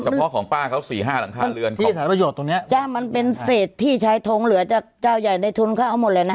เพาะของป้าเขาสี่ห้าหลังคาเรือนที่สารประโยชน์ตรงเนี้ยจ้ะมันเป็นเศษที่ใช้ทงเหลือจากเจ้าใหญ่ในทุนเขาเอาหมดเลยนะ